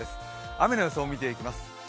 雨の予想を見ていきます。